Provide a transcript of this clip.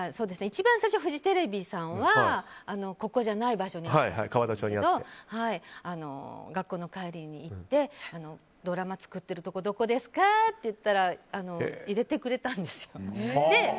一番最初フジテレビさんはここじゃない場所でしたけど学校の帰りに行ってドラマ作ってるところどこですかって言ったら入れてくれたんですよ。